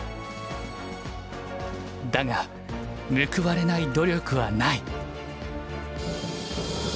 だが報われない努力はない。